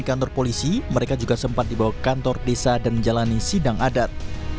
di kantor polisi mereka juga sempat dibawa ke kantor desa dan menjalani sidang adat